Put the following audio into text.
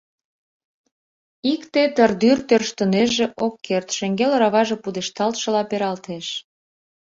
Икте тыр-дӱр тӧрштынеже — ок керт, шеҥгел ораваже пудешталтшыла пералтеш.